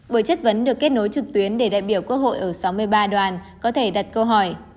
buổi chất vấn được kết nối trực tuyến để đại biểu quốc hội ở sáu mươi ba đoàn có thể đặt câu hỏi